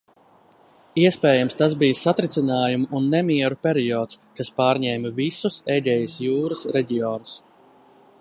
Iespējams tas bija satricinājumu un nemieru periods, kas pārņēma visus Egejas jūras reģionus.